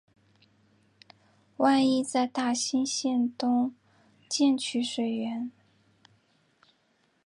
万炜在大兴县东建曲水园。